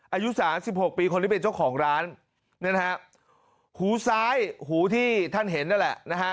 อายุ๓๖ปีคนที่เป็นเจ้าของร้านหูซ้ายหูที่ท่านเห็นนั่นแหละ